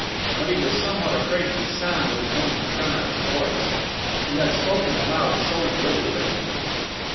But he was somewhat afraid of the sound of his own tremorous voice. He had spoken aloud so little lately.